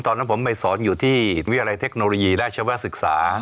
ตอนนั้นผมไปสอนอยู่ที่วิทยาลัยเทคโนโลยีราชวศึกษา